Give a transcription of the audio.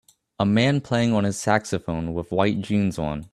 A man playing on his saxophone with white jeans on